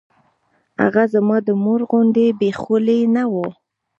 هغه زما د مور غوندې بې خولې نه وه.